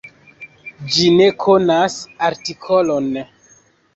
Ĝi ne konas artikolon.